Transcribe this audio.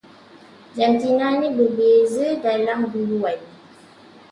Jantinanya berbeza dalam buluan